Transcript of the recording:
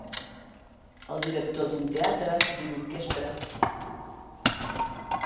El director d'un teatre, d'una orquestra.